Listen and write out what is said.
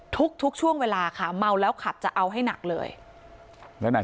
ทุกช่วงเวลาค่ะเมาแล้วขับจะเอาให้หนักเลยแล้วนาย